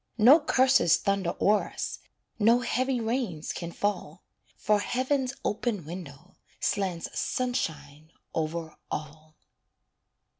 No curses thunder o'er us, No heavy rains can fall; For heaven's open window Slants sunshine over all.